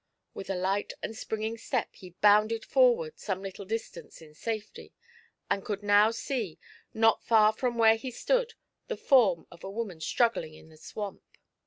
With a light and springing step he bounded forward some little distance in safety, and could now see, not far from where he stood, the form of a woman struggling in the swamp.